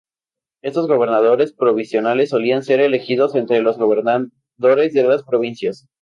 Estos gobernadores provisionales solían ser elegidos entre los gobernadores de las provincias.